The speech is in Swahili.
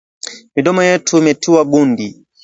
Midomo yetu imetiwa gundi